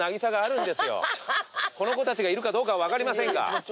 この子たちがいるかどうかは分かりませんが。